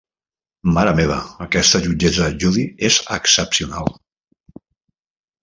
Mare meva, aquesta jutgessa Judy és excepcional.